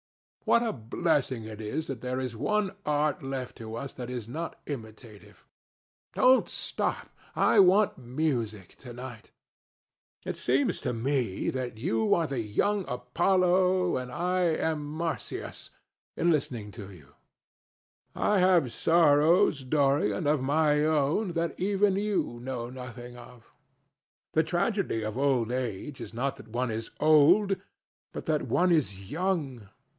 What a blessing it is that there is one art left to us that is not imitative! Don't stop. I want music to night. It seems to me that you are the young Apollo and that I am Marsyas listening to you. I have sorrows, Dorian, of my own, that even you know nothing of. The tragedy of old age is not that one is old, but that one is young.